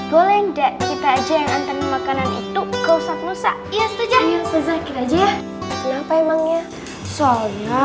boleh ndak kita aja yang antar makanan itu ke ustadz musa ya setuju ya kenapa emangnya soalnya